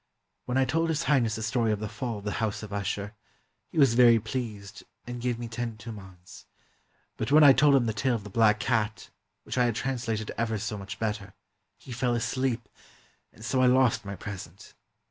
When I told His Highness the story of 'The Fall of the House of Usher,' he was very pleased, and gave me ten tumans. But when I told him the tale of 'The Black Cat,' which I had translated ever so much better, he fell asleep, and so I lost my present.